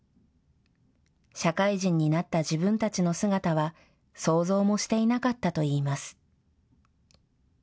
社会人になった自分たちの姿は想像もしていなかったといいます。